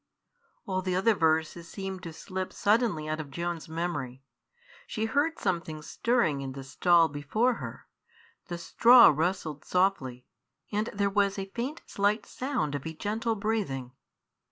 All the other verses seemed to slip suddenly out of Joan's memory. She heard something stirring in the stall before her, the straw rustled softly, and there was a faint, slight sound of a gentle breathing.